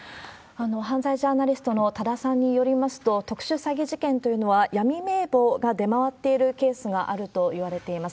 犯罪ジャーナリストの多田さんによりますと、特殊詐欺事件というのは、闇名簿が出回っているケースがあるといわれています。